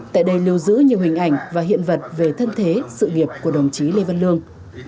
tại đây lưu giữ nhiều hình ảnh và hiện vật về thân thế sự nghiệp của đồng chí lê văn lương